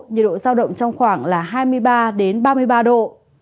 nhiệt độ giao động trong khoảng hai mươi ba đến ba mươi ba độ